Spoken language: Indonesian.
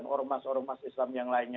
ormas ormas islam yang lainnya